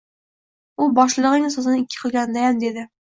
U boshlig‘ing so‘zini ikki qilganingdayam dedi.